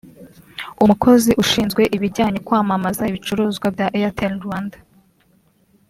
umukozi ushinzwe ibijyanye kwamamaza ibicuruzwa bya Airtel Rwanda